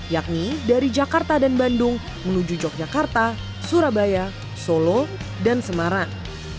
yakni dari jakarta dan bandung menuju yogyakarta surabaya solo dan semarang